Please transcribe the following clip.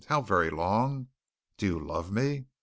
How very long. Do you love me?"